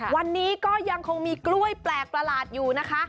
วันนี้ก็ยังคงมีกล้วยแปลกประหลาดอยู่นะคะ